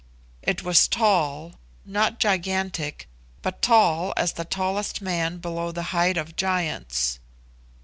It was tall, not gigantic, but tall as the tallest man below the height of giants.